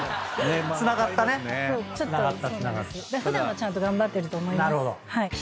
普段はちゃんと頑張ってると思います。